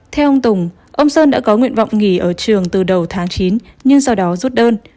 theo ông tùng ông sơn đã có nguyện vọng nghỉ ở trường từ đầu tháng chín nhưng sau đó rút đơn